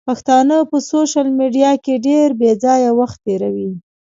پښتانه په سوشل ميډيا کې ډېر بېځايه وخت تيروي.